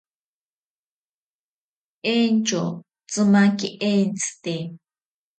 Entyo tsimake entsite.